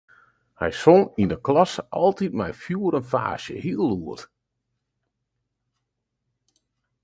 Hy song yn 'e klasse altyd mei fjoer en faasje, heel lûd.